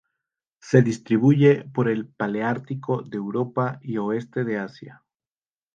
Se distribuye por el paleártico de Europa y oeste de Asia.